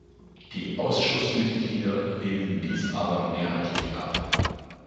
Die Ausschussmitglieder lehnten dies aber mehrheitlich ab.